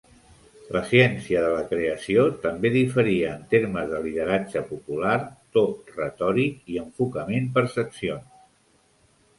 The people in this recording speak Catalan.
La ciència de la creació també diferia en termes de lideratge popular, to retòric i enfocament per seccions.